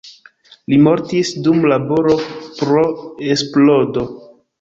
Li mortis dum laboro pro eksplodo.